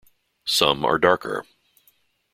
Some are darker.